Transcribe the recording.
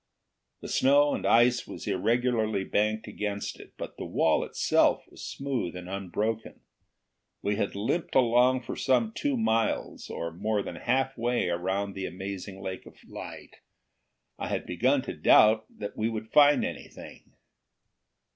The snow and ice was irregularly banked against it, but the wall itself was smooth and unbroken. We had limped along for some two miles, or more than halfway around the amazing lake of light. I had begun to doubt that we would find anything.